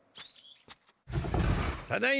ただいま！